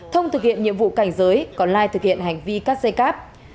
thông thực hiện nhiệm vụ cảnh giới còn lai thực hiện hành vi cắt dây cáp